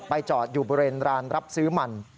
จอดอยู่บริเวณร้านรับซื้อมัน